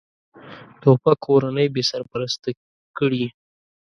توپک کورنۍ بېسرپرسته کړي.